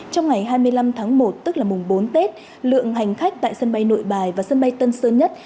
trong ngày hai mươi năm tháng một tức là mùng bốn tết lượng hành khách tại sân bay nội bài và sân bay tân sơn nhất